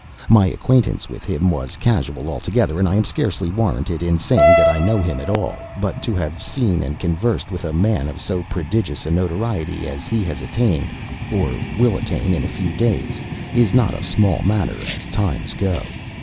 My acquaintance with him was casual altogether; and I am scarcely warranted in saying that I know him at all; but to have seen and conversed with a man of so prodigious a notoriety as he has attained, or will attain in a few days, is not a small matter, as times go.